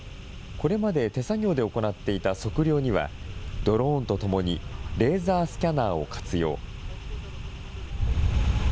これまで手作業で行っていた測量には、ドローンとともにレーザースキャナーを活用。